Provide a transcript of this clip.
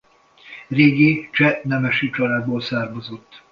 Régi cseh nemesi családból származott.